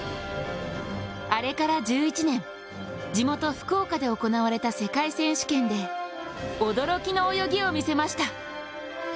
あれから１１年、地元・福岡で行われた世界選手権で驚きの泳ぎを見せました。